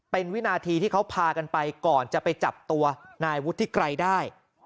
เป็นวินาทีที่เขาพากันไปก่อนจะไปจับตัวนายวุฒิไกรได้